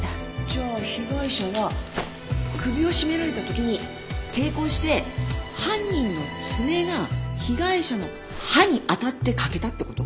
じゃあ被害者は首を絞められた時に抵抗して犯人の爪が被害者の歯に当たって欠けたって事？